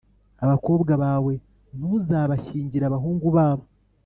Abakobwa bawe ntuzabashyingire abahungu babo,